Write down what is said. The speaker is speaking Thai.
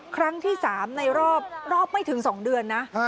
ครั้งที่๓ในรอบไม่ถึง๒เดือนนะ